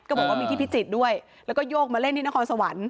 บอกว่ามีที่พิจิตรด้วยแล้วก็โยกมาเล่นที่นครสวรรค์